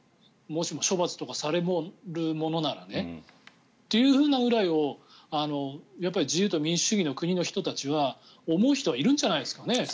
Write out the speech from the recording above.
もしも処罰とかされるものならね。というふうなぐらいを自由と民主主義の国の人たちは思う人はいるんじゃないですかね。